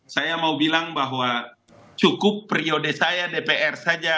saya mau bilang bahwa cukup periode saya dpr saja